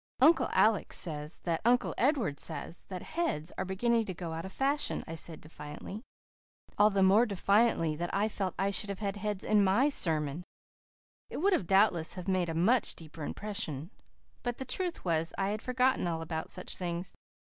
"Uncle Alec says that Uncle Edward says that heads are beginning to go out of fashion," I said defiantly all the more defiantly that I felt I should have had heads in my sermon. It would doubtless have made a much deeper impression. But the truth was I had forgotten all about such things.